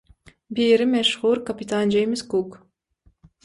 Biri meşhuur Kapitan James Cook.